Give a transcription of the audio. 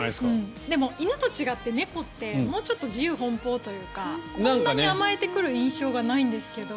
犬と違って猫ってもうちょっと自由奔放というかこんなに甘えてくる印象がないんですけど。